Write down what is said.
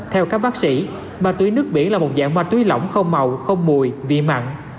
theo các bác sĩ ma túy nước biển là một dạng ma túy lỏng không màu không mùi vị mặn